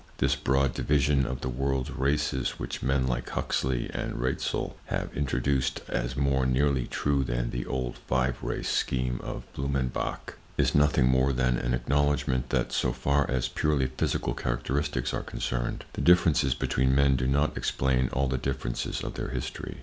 This broad division of the world's races which men like Huxley and Raetzel have introduced as more nearly true than the old five race scheme of Blumenbach, is nothing more than an acknowledgment that, so far as purely physical characteristics are concerned, the differences between men do not explain all the differences of their history.